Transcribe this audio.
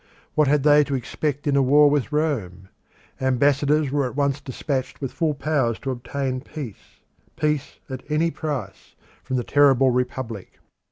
What had they to expect in a war with Rome? Ambassadors were at once dispatched with full powers to obtain peace peace at any price from the terrible Republic.